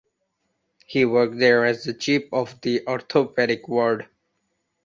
He worked there as the Chief of the Orthopedic ward.